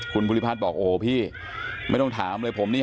คุณบุริภัทธุ์บอกว่าโหไม่ต้องถามเลยผมนี่